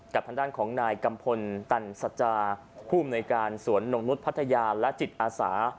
ทางด้านของนายกัมพลตันสัจจาผู้อำนวยการสวนนงนุษย์พัทยาและจิตอาสา